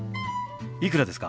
いくらですか？